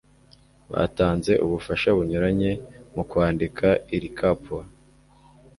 batanze ubufasha bunyuranye mu kwandika iri capwa